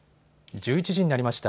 １１時になりました。